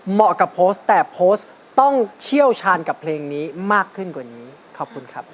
เหมาะกับโพสต์แต่โพสต์ต้องเชี่ยวชาญกับเพลงนี้มากขึ้นกว่านี้ขอบคุณครับ